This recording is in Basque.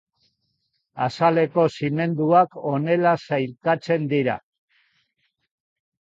Azaleko zimenduak honela sailkatzen dira.